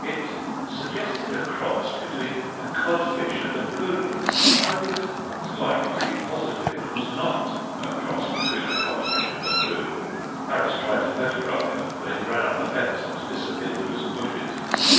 It suggested a cross between a codfish and a poodle. I would not like to be positive it was not a cross between a codfish and a poodle. Harris tried to photograph it, but it ran up a fence and disappeared through some bushes.